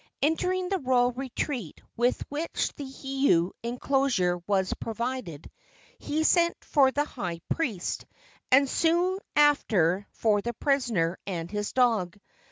Entering the royal retreat with which the heiau enclosure was provided, he sent for the high priest, and soon after for the prisoner and his dog.